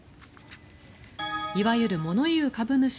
いわゆる物言う株主